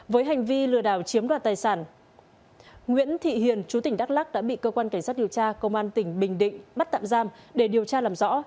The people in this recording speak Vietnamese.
với hành vi lừa đảo chiếm đoạt tài sản nguyễn thị hiền chú tỉnh đắk lắc đã bị cơ quan cảnh sát điều tra công an tỉnh bình định bắt tạm giam để điều tra làm rõ